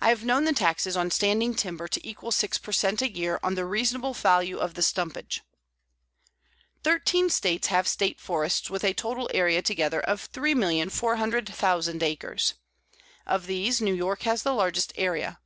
I have known the taxes on standing timber to equal six per cent. a year on the reasonable value of the stumpage. Thirteen States have State Forests with a total area altogether of 3,400,000 acres. Of these New York has the largest area.